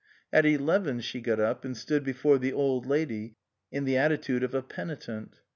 At eleven she got up and stood before the Old Lady in the attitude of a penitent.